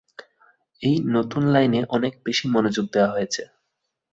এই নতুন লাইনে অনেক বেশি মনোযোগ দেয়া হয়েছে।